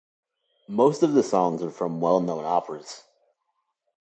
Most of the songs are from well-known operas.